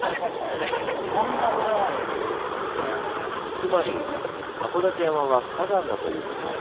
つまり函館山は火山だということ。